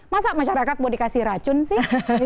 masa masyarakat mau dikasih racun sih